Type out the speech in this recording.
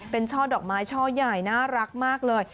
เป็นช่อดอกไม้ช่อใหญ่น่ารักมากเลย